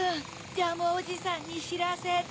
ジャムおじさんにしらせて。